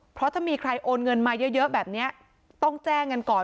เพราะถ้ามีใครโอนเงินมาเยอะแบบนี้ต้องแจ้งกันก่อน